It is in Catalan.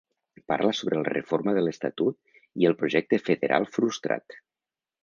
Parla sobre la reforma de l’estatut i el projecte federal frustrat.